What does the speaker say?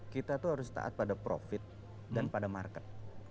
kita tuh harus taat pada profit dan pada market